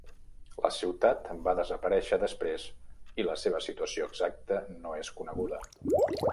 La ciutat va desaparèixer després i la seva situació exacta no és coneguda.